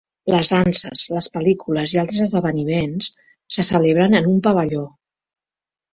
Les danses, les pel·lícules i altres esdeveniments se celebren en un pavelló.